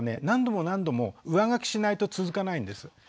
何度も何度も上書きしないと続かないんです。